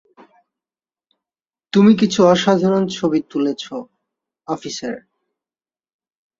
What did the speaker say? তুমি কিছু অসাধারণ ছবি তুলেছো, অফিসার।